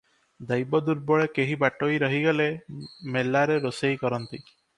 ଦୈବ ଦୁର୍ବଳେ କେହି ବାଟୋଇ ରହିଗଲେ ମେଲାରେ ରୋଷେଇ କରନ୍ତି ।